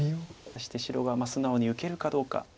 そして白が素直に受けるかどうか。